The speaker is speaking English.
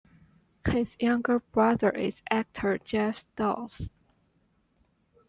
His younger brother is actor Geoff Stults.